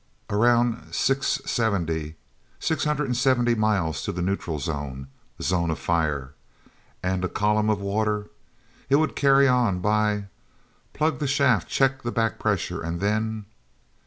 "Around six seventy six hundred and seventy miles to the neutral zone, the Zone of Fire. And a column of water—it would carry on by, plug the shaft, check the back pressure, and then...."